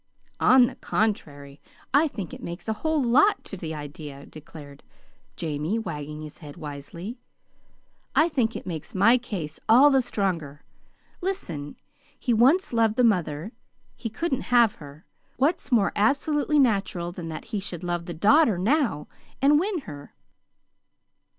"On the contrary I think it makes a whole lot to that idea," declared Jamie, wagging his head wisely. "I think it makes my case all the stronger. Listen. He once loved the mother. He couldn't have her. What more absolutely natural than that he should love the daughter now and win her?"